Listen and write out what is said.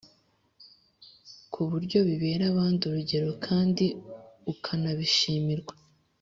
ku buryo bibera abandi urugero kandi ukanabishimirwa.